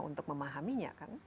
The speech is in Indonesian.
untuk memahaminya kan